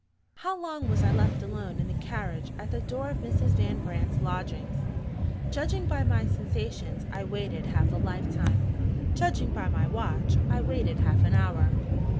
HOW long was I left alone in the carriage at the door of Mrs. Van Brandt's lodgings? Judging by my sensations, I waited half a life time. Judging by my watch, I waited half an hour.